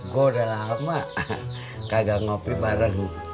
gue udah lama kagak ngopi bareng